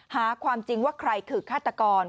หาความจริงว่าใครคือฆาตกร